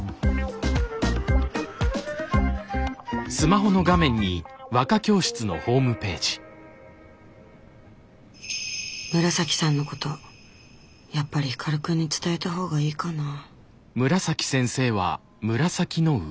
心の声紫さんのことやっぱり光くんに伝えた方がいいかなぁ。